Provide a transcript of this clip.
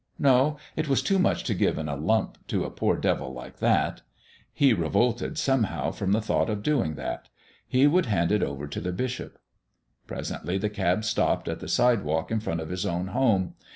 No; it was too much to give in a lump to a poor devil like that. He revolted somehow from the thought of doing that; he would hand it over to the bishop. Presently the cab stopped at the sidewalk in front of his own home.